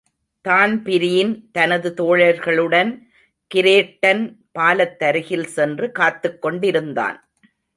Dan Breen தனது தோழர்களுடன் கிரேட்டன் பாலத்தருகில் சென்று காத்துக் கொண்டிருந்தான்.